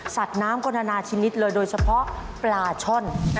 สัตว์น้ำกนทนาชินิดเลยโดยเฉพาะปลาช่อน